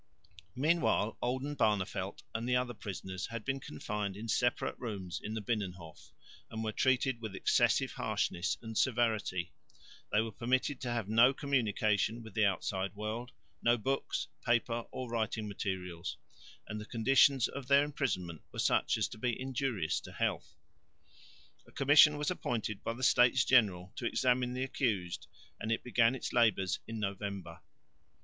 Meanwhile Oldenbarneveldt and the other prisoners had been confined in separate rooms in the Binnenhof and were treated with excessive harshness and severity. They were permitted to have no communication with the outside world, no books, paper or writing materials; and the conditions of their imprisonment were such as to be injurious to health. A commission was appointed by the States General to examine the accused, and it began its labours in November.